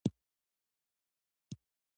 د تخار په چال کې د سرو زرو نښې شته.